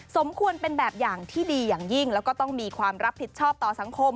สมควรเป็นแบบอย่างที่ดีอย่างยิ่งแล้วก็ต้องมีความรับผิดชอบต่อสังคม